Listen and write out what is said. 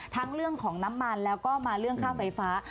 ทั้งเรื่องของน้ำมันแล้วก็มาเรื่องค่าไฟฟ้า